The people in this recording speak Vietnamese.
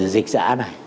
dịch dạ này